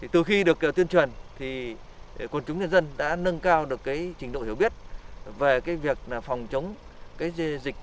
từ khi được tuyên truyền quân chúng nhân dân đã nâng cao được trình độ hiểu biết về việc phòng chống dịch